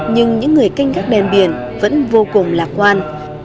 nhưng những người canh gác đèn biển vẫn vô cùng lạc quan